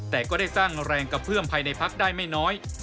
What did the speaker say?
แต่ก็ได้สร้างแรงกระเพื่อมภายในพักได้ไม่น้อย